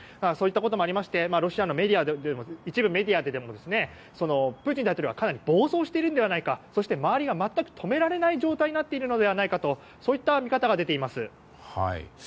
そういったこともありましてロシアの一部メディアでもプーチン大統領はかなり暴走しているのではないかそして周りが全く止められない状態になっているのではないかとそういった見方が出ています。